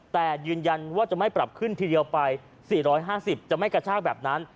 แต่ยืนยันว่าจะไม่ปรับขึ้นทีเดียวไป๔๕๐จะไม่กระชากแบบนั้น